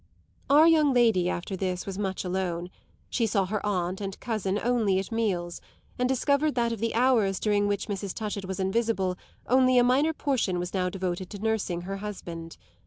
Our young lady, after this, was much alone; she saw her aunt and cousin only at meals, and discovered that of the hours during which Mrs. Touchett was invisible only a minor portion was now devoted to nursing her husband.